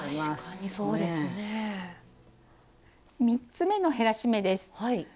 ３つ目の減らし目です。